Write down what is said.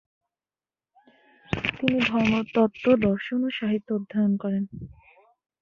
তিনি ধর্মতত্ত্ব, দর্শন ও সাহিত্য অধ্যয়ন করেন।